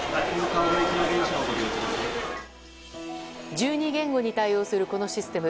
１２言語に対応するこのシステム。